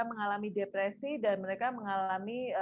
mengalami depresi dan mereka mengalami